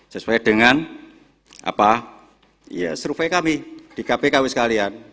sesuai dengan survei kami di kpkw sekalian